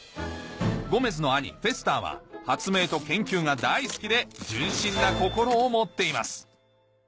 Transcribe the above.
ゴメズの兄・フェスターは発明と研究が大好きで純真な心を持っています